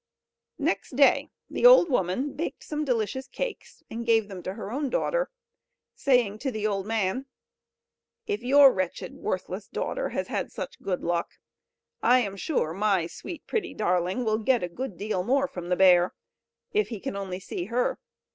Next day the old woman baked some delicious cakes, and gave them to her own daughter, saying to the old man: "If your wretched, worthless daughter has had such good luck, I am sure my sweet, pretty darling will get a deal more from the bear, if he can only see her.